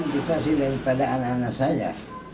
motivasi daripada anak anak saya